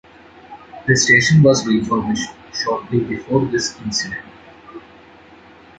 The station was refurbished shortly before this incident.